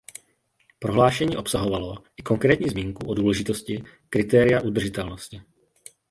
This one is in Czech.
Prohlášení obsahovalo i konkrétní zmínku o důležitosti kritéria udržitelnosti.